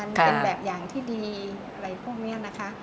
มันเป็นแบบอย่างที่ดีอะไรพวกนี้นะคะ